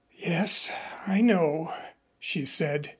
"Yes, I know," she said.